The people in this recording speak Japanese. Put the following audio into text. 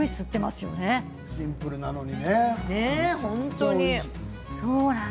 シンプルなのにね。